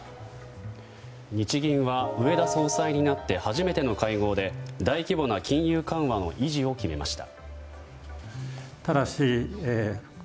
日銀は植田総裁になって初めての会合で大規模な金融緩和の維持を決めました。